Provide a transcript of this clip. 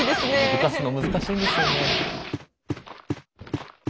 動かすの難しいんですよね。